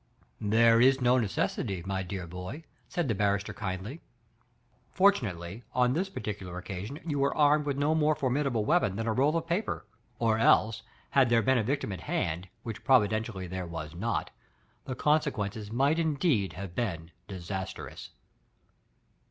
*' "There is no necessity, my dea^ boy," said the barrister kindly. "Fortunately, on this particular occasion you were <U'med with no mor« formi dable weapon than a rpll of paper, or else, had there been 4 victim at hand, which pr<>videntially there was not, the consequences ?aight indeed have been disastrous."